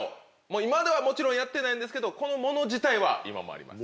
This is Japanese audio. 今ではもちろんやってないんですけどこのもの自体は今もあります。